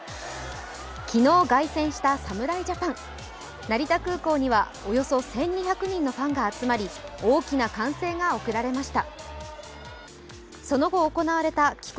昨日凱旋した侍ジャパン、成田空港にはおよそ１２００人のファンが集まり大きな歓声が送られました。